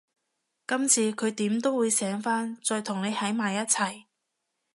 今次佢點都會醒返，再同你喺埋一齊